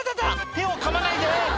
手をかまないで！」